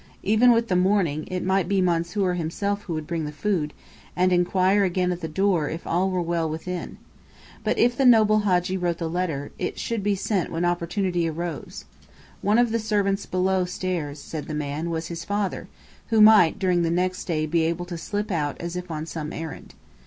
Even with the morning, it might be Mansoor himself who would bring the food, and inquire again at the door if all were well within. But if the noble Hadji wrote the letter, it should be sent when opportunity arose. One of the servants below stairs, said the man, was his father, who might during the next day be able to slip out as if on some errand.